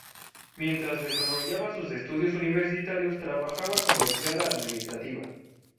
Mientras desarrollaba sus estudios universitarios trabajaba como empleada administrativa.